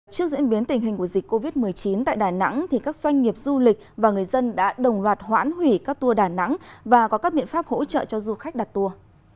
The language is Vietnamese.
trước diễn biến tình hình của dịch covid một mươi chín tại đà nẵng các doanh nghiệp du lịch và người dân đã đồng loạt hoãn hủy các tour đà nẵng và có các biện pháp hỗ trợ cho du khách đặt tour